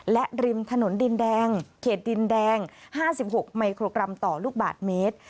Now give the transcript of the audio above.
และริมถนนดินแดงเขตดินแดง๕๖มิโครกรัมต่อลูกบาทเมตร